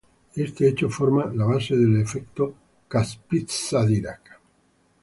Este hecho forma la base del efecto Kapitsa-Dirac.